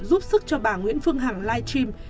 giúp sức cho bà nguyễn phương hằng live stream